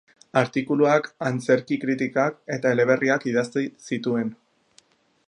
Artikuluak, antzerki-kritikak eta eleberriak idatzi zituen.